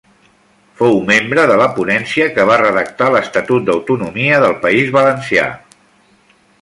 Fou membre de la ponència que va redactar l'estatut d'autonomia del País Valencià.